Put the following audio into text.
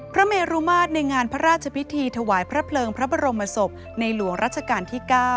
เมรุมาตรในงานพระราชพิธีถวายพระเพลิงพระบรมศพในหลวงรัชกาลที่๙